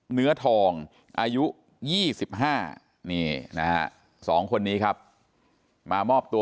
เหนือทองอายุยี่สิบห้านี่นะฮะสองคนนี้ครับมามอบตัว